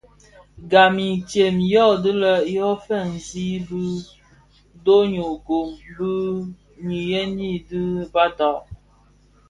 Gam intsem yödhi lè yo fènzi bidönög gom di niyeñi di badag.